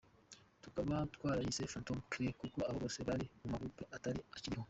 Tukaba twarayise Phantoms Crew kuko abo bose bari muma groupes atari akiriho.